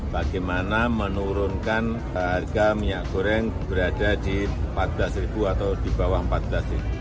bagaimana menurunkan harga minyak goreng berada di empat belas ribu atau di bawah empat belas ribu